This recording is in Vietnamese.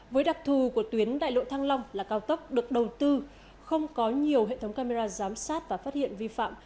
với đặc thù của tuyến đại lộ thăng long là cao tốc được đầu tư không có nhiều hệ thống camera giám sát và phát hiện vi phạm